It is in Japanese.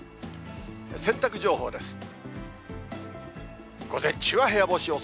洗濯情報です。